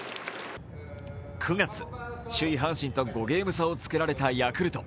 ９月、首位・阪神と５ゲーム差をつけられたヤクルト。